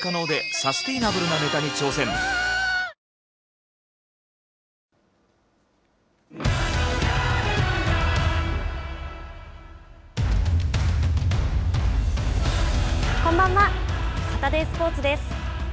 サタデースポーツです。